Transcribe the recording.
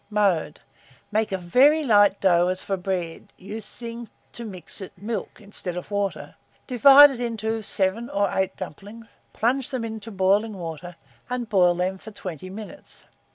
Mode. Make a very light dough as for bread, using to mix it, milk, instead of water; divide it into 7 or 8 dumplings; plunge them into boiling water, and boil them for 20 minutes.